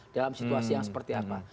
dalam situasi yang seperti apa